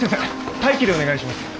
待機でお願いします。